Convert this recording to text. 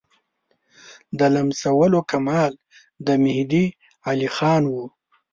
د لمسولو کمال د مهدي علیخان وو.